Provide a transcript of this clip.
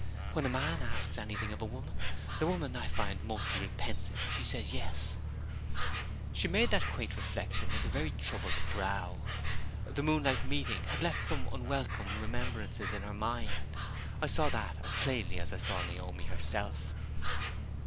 "When a man asks anything of a woman, the woman, I find, mostly repents it if she says 'Yes.'" She made that quaint reflection with a very troubled brow. The moonlight meeting had left some unwelcome remembrances in her mind. I saw that as plainly as I saw Naomi herself.